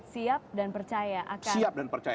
siap dan percaya siap dan percaya